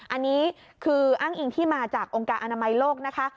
อันนี้คืออ้างอิงที่มาจากองค์การอนามัยโลกนะคะ